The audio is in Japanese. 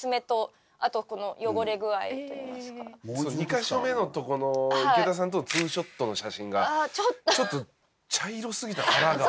２カ所目のとこの池田さんとのツーショットの写真がちょっと茶色すぎた腹が。